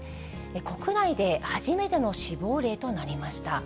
国内で初めての死亡例となりました。